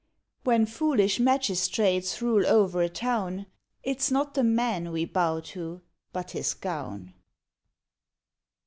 When foolish magistrates rule o'er a town, It's not the man we bow to, but his gown.